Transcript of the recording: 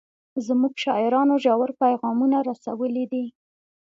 زموږ شاعرانو ژور پیغامونه رسولي دي.